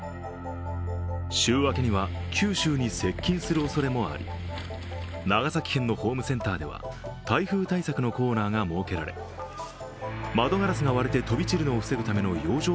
週明けには九州に接近するおそれもあり長崎県のホームセンターでは、台風対策のコーナーが設けられ窓ガラスが割れて飛び散るのを防ぐための養生